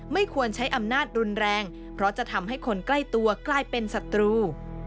ไม่ควรใช้อำนาจรุนแรงเพราะจะทำให้คนใกล้ตัวกลายเป็นศัตรู